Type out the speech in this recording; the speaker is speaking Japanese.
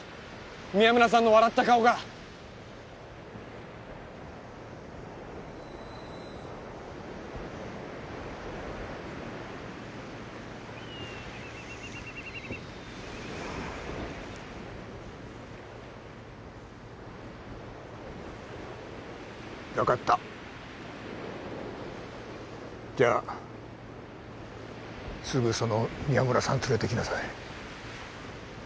宮村さんの笑った顔が分かったじゃあすぐその宮村さん連れてきなさい